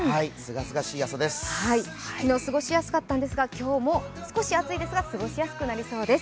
昨日、過ごしやすかったんですが、今日も少し暑いですが、過ごしやすくなりそうです。